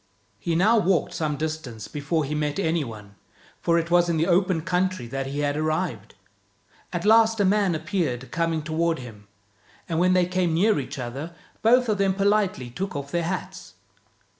He now walked some distance before he met any one, for it was in the open country that he had arrived. At last a man appeared coming toward him, and when they came near each other both of them politely took off their hats.